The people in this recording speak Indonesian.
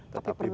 tapi pernah lah